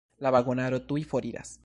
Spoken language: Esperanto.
La vagonaro tuj foriras.